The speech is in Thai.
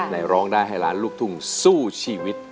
ร้องได้ให้ล้านลูกทุ่งสู้ชีวิต